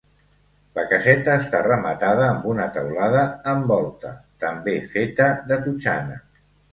La caseta està rematada amb una teulada en volta, també feta de totxana.